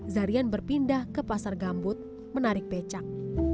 zarian berpindah ke pasar gambut menarik becak